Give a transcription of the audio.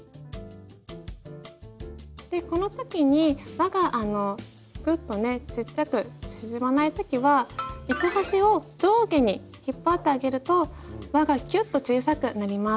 この時に輪がぐっとねちっちゃく縮まない時は糸端を上下に引っ張ってあげると輪がキュッと小さくなります。